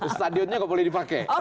stadionnya gak boleh dipakai